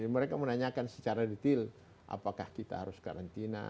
mereka menanyakan secara detail apakah kita harus karantina